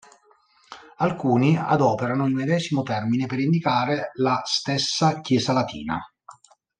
Alcuni adoperano il medesimo termine per indicare la stessa Chiesa latina.